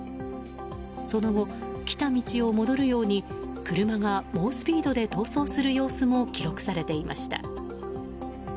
その後、来た道を戻るように車が猛スピードで逃走する様子も記録されていました。